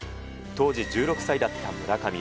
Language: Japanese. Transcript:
当時１６歳だった村上。